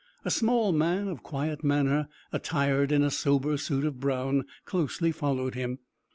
A small man of quiet manner, attired in a sober suit of brown, closely followed him.